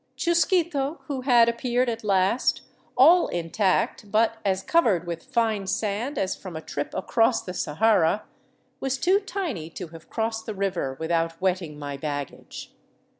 376 THE ROUTE OF THE CONQUISTADORES Chusquito, who had appeared at last, all intact but as covered with fine sand as from a trip across the Sahara, was too tiny to have crossed the river without wetting my baggage.